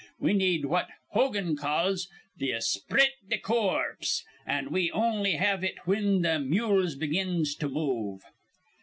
We need what Hogan calls th' esphrite th' corpse, an' we'll on'y have it whin th' mules begins to move."